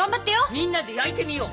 みんなで焼いてみよう。